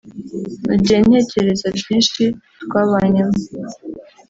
nagiye ntekereza byishi twabanyemo